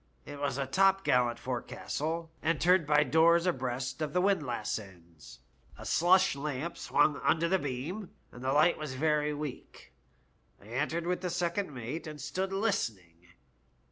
It was a topgallant forecastle, entered by doors abreast of the windlass ends; a slush lamp swung under the beam, and the light was very weak I entered with the second mate, and stood listening.